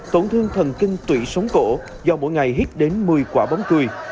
tổn thương thần kinh tụy sống cổ do mỗi ngày hít đến một mươi quả bóng cười